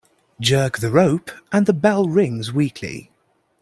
Jerk the rope and the bell rings weakly.